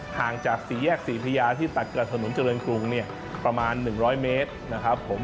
ห่างจากสี่แยกศรีพระยาที่ตัดกับถนนเจริญกรุงเนี่ยประมาณ๑๐๐เมตรนะครับผม